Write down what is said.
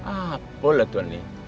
apalah tuan ini